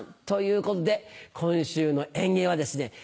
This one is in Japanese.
ということで今週の演芸はですね